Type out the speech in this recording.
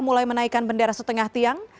mulai menaikkan bendera setengah tiang